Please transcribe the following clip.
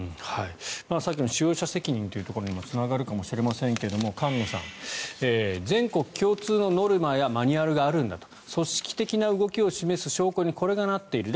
さっきの使用者責任というところにもつながるかもしれませんが菅野さん、全国共通のノルマやマニュアルがあるんだと組織的な動きを示す証拠にこれがなっている。